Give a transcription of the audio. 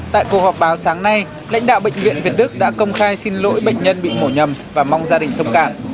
tại cuộc họp báo sáng nay lãnh đạo bệnh viện việt đức đã công khai xin lỗi bệnh nhân bị mổ nhầm và mong gia đình thông cảm